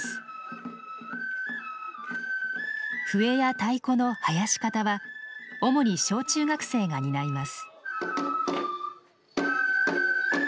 笛や太鼓の囃子方は主に小中学生が担います。